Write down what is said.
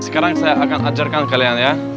sekarang saya akan ajarkan kalian ya